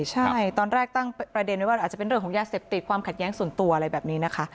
ใช่ตอนแรกตั้งประเด็นไว้ว่าอาจจะเป็นเรื่องของยาเสพติดความขัดแย้งส่วนตัวอะไรแบบนี้นะคะ